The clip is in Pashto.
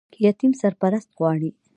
یتیم سرپرست غواړي